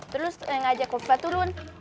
terus enggak ngajak kopi kopi turun